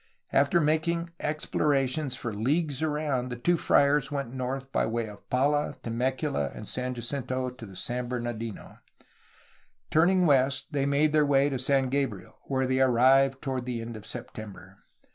After making explorations for leagues around, the two friars went north by way of Pala, Temecula, and San Jacinto to San Bernardino. Turning west they made their way to San Gabriel, where they arrived toward the end of September.